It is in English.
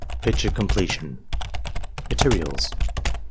— ^Picture Completion Materials.